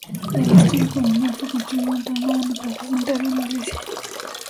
Al estilo colonial fue construido en torno a una plaza central y una iglesia.